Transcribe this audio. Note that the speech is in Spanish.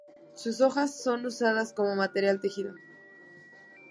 Sus hojas son usadas como material de tejido.